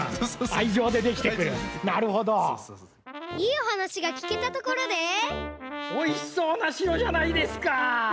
いいおはなしがきけたところでおいしそうな白じゃないですか！